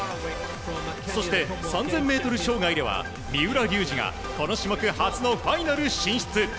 そして３０００ｍ障害では三浦龍司がこの種目初のファイナル進出。